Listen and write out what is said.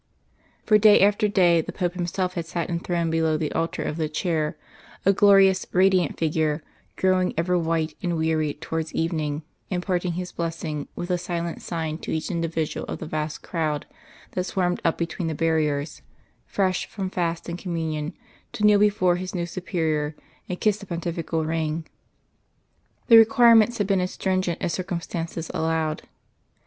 For day after day the Pope himself had sat enthroned below the altar of the Chair, a glorious, radiant figure, growing ever white and weary towards evening, imparting his Blessing with a silent sign to each individual of the vast crowd that swarmed up between the barriers, fresh from fast and Communion, to kneel before his new Superior and kiss the Pontifical ring. The requirements had been as stringent as circumstances allowed.